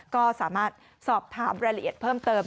ก็สามารถสอบถามรายละเอียดเพิ่มเติม